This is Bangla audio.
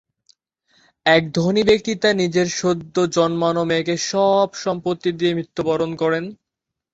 এক ধনী ব্যক্তি তার নিজের সদ্য জন্মানো মেয়েকে সব সম্পত্তি দিয়ে মৃত্যুবরণ করেন।